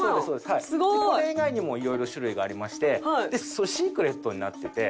すごい！これ以外にも色々種類がありましてそれシークレットになってて。